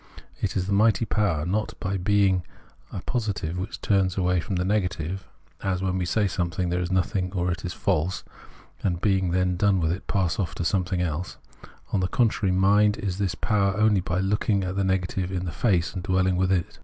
It is this mighty power, not by being a positive which turns away from the negative, as when we say of anything it is nothing or it is false, and, being then done with it, pass off to something else ; on the contrary, mind is this power only by looking the negative in the face, and dwelhng with it.